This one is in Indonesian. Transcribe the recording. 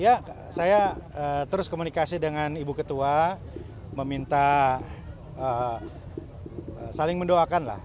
ya saya terus komunikasi dengan ibu ketua meminta saling mendoakan lah